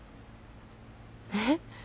えっ？